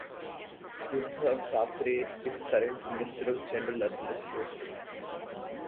Uddhav Thackeray is Current Minister of General Administration.